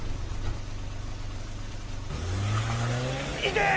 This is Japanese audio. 痛え！